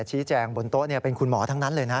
ชี้แจงบนโต๊ะเป็นคุณหมอทั้งนั้นเลยนะ